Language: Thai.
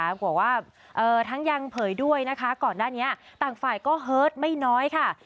บอกว่าทั้งยังเผยด้วยนะคะก่อนหน้านี้ต่างฝ่ายก็เฮิร์ตไม่น้อยค่ะ